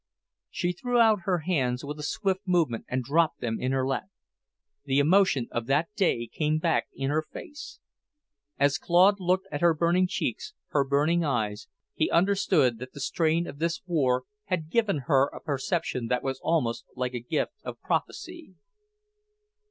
She threw out her hands with a swift movement and dropped them in her lap. The emotion of that day came back in her face. As Claude looked at her burning cheeks, her burning eyes, he understood that the strain of this war had given her a perception that was almost like a gift of prophecy.